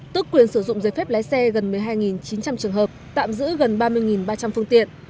tức quyền sử dụng giấy phép lái xe gần một mươi hai chín trăm linh trường hợp tạm giữ gần ba mươi ba trăm linh phương tiện